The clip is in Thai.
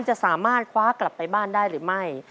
จะสามารถคว้ากลับไปบ้านได้หรือไม่